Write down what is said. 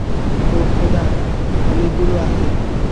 ওহ, খোদা, অনেকগুলো আছে।